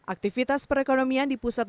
aktivitas perekonomian di pusat